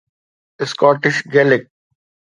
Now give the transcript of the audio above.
Scottish Gaelic